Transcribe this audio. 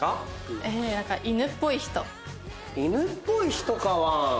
犬っぽい人かワン。